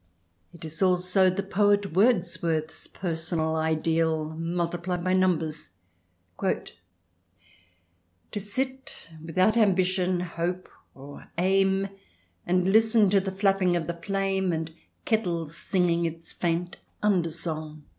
It is also the poet Wordsworth's personal ideal multiplied by numbers : "To sit without ambition, hope, or aim, And listen to the flapping of the flame And kettle singing its faint undersong."